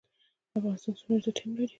افغانستان څومره لیتیم لري؟